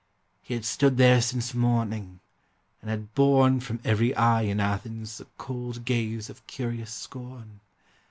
He had stood there since morning, and had borne From every eye in Athens the cold gaze Of curious scorn.